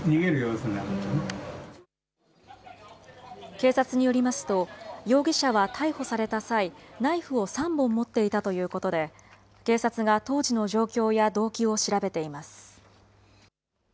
警察によりますと、容疑者は逮捕された際、ナイフを３本持っていたということで、警察が当時の状況や動機を調べています。